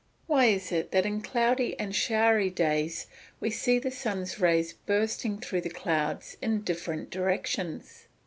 _Why is it that in cloudy and showery days we see the sun's rays bursting through the clouds in different directions?